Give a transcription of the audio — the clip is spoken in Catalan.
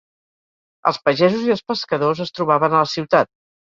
Els pagesos i els pescadors es trobaven a la ciutat.